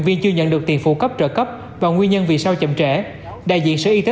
viên chưa nhận được tiền phụ cấp trợ cấp và nguyên nhân vì sao chậm trễ đại diện sở y tế